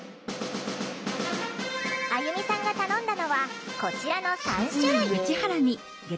あゆみさんが頼んだのはこちらの３種類。